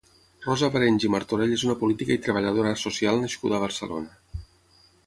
Rosa Barenys i Martorell és una política i treballadora social nascuda a Barcelona.